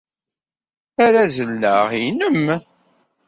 Arazal-a nnem.